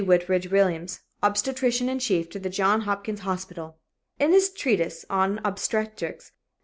Whitridge Williams, obstetrician in chief to the Johns Hopkins Hospital, in his treatise on Obstetrics. Dr.